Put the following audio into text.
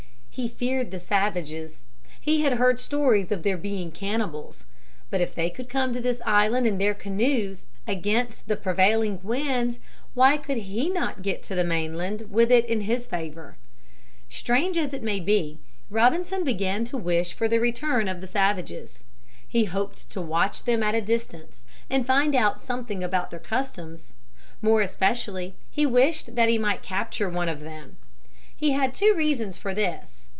He feared the savages. He had heard stories of their being cannibals. But if they could come to his island in their canoes against the prevailing wind, why could he not get to the mainland with it in his favor? Strange as it may be, Robinson began to wish for the return of the savages. He hoped to watch them at a distance and find out something about their customs. More especially he wished that he might capture one of them. He had two reasons for this.